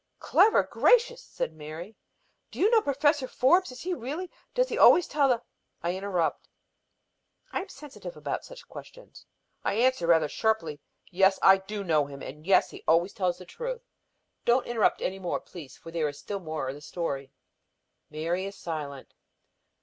"Clever! Gracious!" says Mary. "Do you know Professor Forbes? Is he really does he always tell the " I interrupt. I am sensitive about such questions. I answer rather sharply. "Yes, I do know him; and yes, he always tells the truth. Don't interrupt any more, please, for there is still more of the story." Mary is silent.